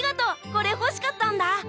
これ欲しかったんだ！